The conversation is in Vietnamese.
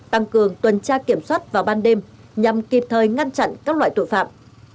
tăng cường tuần tra kiểm soát vào ban đêm nhằm kịp thời ngăn chặn các loại tội phạm